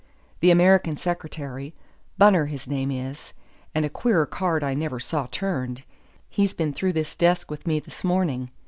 The American secretary Bunner his name is, and a queerer card I never saw turned he's been through this desk with me this morning.